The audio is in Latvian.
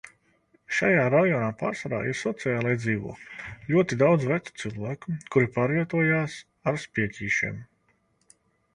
Šajā rajonā pārsvarā ir sociālie dzīvokļi. Ļoti daudz vecu cilvēku, kuri pārvietojās ar spieķīšiem.